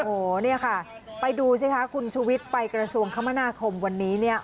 โอ้โหเนี่ยค่ะไปดูสิคะคุณชุวิตไปกระทรวงคมนาคมวันนี้เนี่ย